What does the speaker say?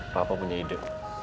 papa punya ide